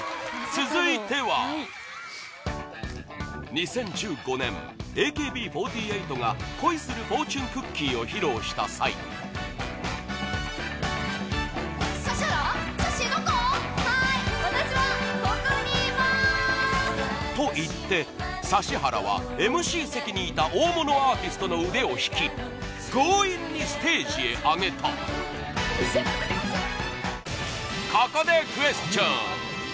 続いては２０１５年、ＡＫＢ４８が「恋するフォーチュンクッキー」を披露した際と言って指原はＭＣ席にいた大物アーティストの腕を引き強引にステージへ上げたここでクエスチョン！